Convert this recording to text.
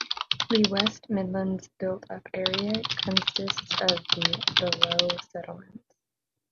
The West Midlands Built Up Area consists of the below settlements.